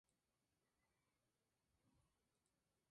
Poco luego de esto Rostislav fue obligado a huir junto a su padre.